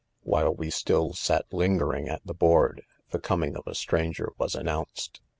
s While we still sat lingering at the board., the coming of a stranger was announced.